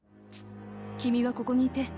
君はここにいて。